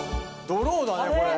ドローだねこれ。